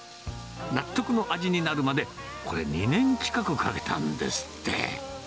納得の味になるまで、これ、２年近くかけたんですって。